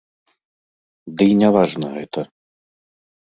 Дый не важна гэта.